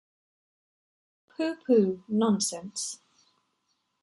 Pooh, pooh, nonsense.